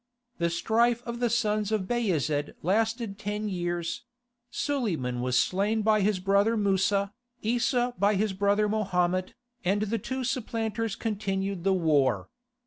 The strife of the sons of Bayezid lasted ten years: Suleiman was slain by his brother Musa, Eesa by his brother Mohammed, and the two supplanters continued the war.